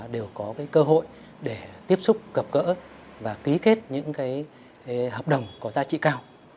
đều có cơ hội để tiếp xúc gặp gỡ và ký kết những hợp đồng có giá trị cao